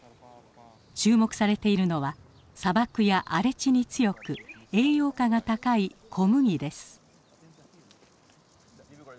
注目されているのは砂漠や荒れ地に強く栄養価が高い小麦です。